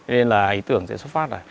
nên là ý tưởng sẽ xuất phát là